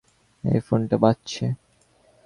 এই ফোনটা বাজছে।